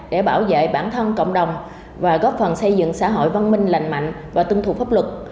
để bảo vệ bản thân cộng đồng và góp phần xây dựng xã hội văn minh lành mạnh và tương thụ pháp luật